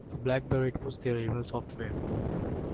For Blackberry it was their email software.